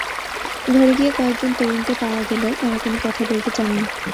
ঘরে গিয়ে কয়েকজন তরুণকে পাওয়া গেলেও তাঁরা কোনো কথা বলতে চাননি।